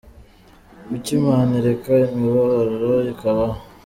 Kuki Imana ireka imibabaro ikabaho ?.